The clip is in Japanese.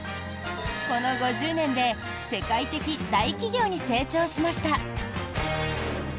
この５０年で世界的大企業に成長しました。